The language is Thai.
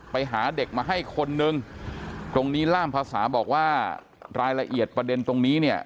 ไปหาเด็กมาให้คนนึงตรงนี้ล่ามภาษาบอกว่ารายละเอียดประเด็นตรงนี้เนี่ย